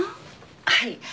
はい。